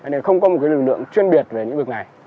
nên không có một lực lượng chuyên biệt về lĩnh vực này